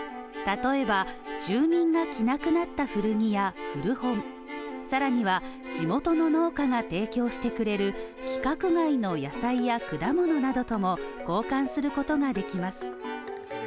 例えば、住民が着なくなった古着や古本、更には地元の農家が提供してくれる規格外の野菜や果物などとも交換することができます。